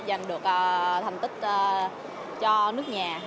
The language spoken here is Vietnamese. đã giành được thành tích cho nước nhà